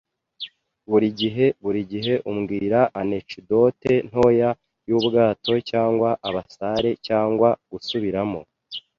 burigihe burigihe umbwira anecdote ntoya yubwato cyangwa abasare cyangwa gusubiramo